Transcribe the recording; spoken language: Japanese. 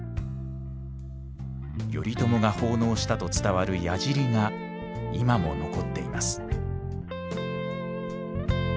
頼朝が奉納したと伝わる鏃が今も残っています。